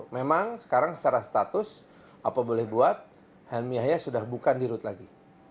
memang sekarang secara status apa boleh buat helmi yahya sudah bukan dirut lagi